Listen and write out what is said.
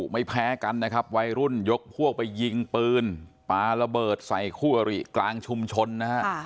ไม่แพ้กันนะครับวัยรุ่นยกพวกไปยิงปืนปลาระเบิดใส่คู่อริกลางชุมชนนะฮะ